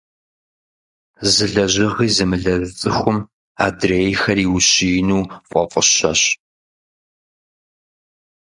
Зы лэжьыгъи зымылэжь цӀыхум адрейхэр иущиину фӀэфӀыщэщ.